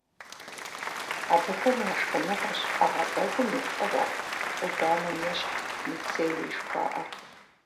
Абыхэм я шхыныгъуэщ ӏэгъэбэгум и пкъыгъуэ, ӏуданэм ещхь, мицелий жыхуаӏэр.